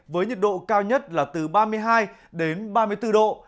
với nhiệt độ cao nhất là từ ba mươi hai đến ba mươi bốn độ